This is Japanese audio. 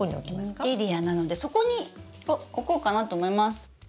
インテリアなのでそこに置こうかなと思います。